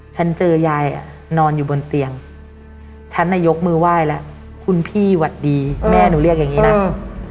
ฉันเจอยายอ่ะนอนอยู่บนเตียงฉันน่ะยกมือไหว้แล้วคุณพี่สวัสดีแม่หนูเรียกอย่างงี้นะอืม